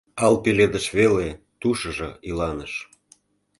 Ал пеледыш веле — Тушыжо иланыш.